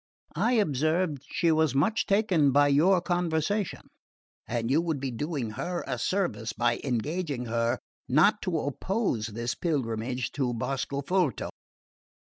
I observed she was much taken by your conversation, and you would be doing her a service by engaging her not to oppose this pilgrimage to Boscofolto.